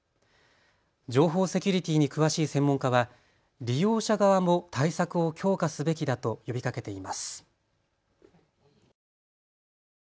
情報セキュリティーに詳しい専門家は利用者側も対策を強化すべきだと呼びかけています。